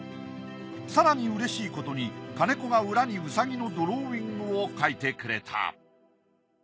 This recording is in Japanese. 更にうれしいことに金子が裏にうさぎのドローイングを描いてくれた。